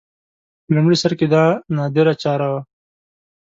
په لومړي سر کې دا نادره چاره وه